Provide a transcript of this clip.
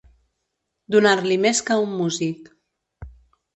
Donar-li més que a un músic.